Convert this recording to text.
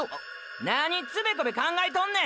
何つべこべ考えとんねん！